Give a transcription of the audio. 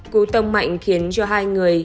cú tông mạnh khiến cho hai người